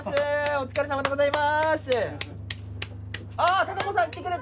お疲れさまでございます。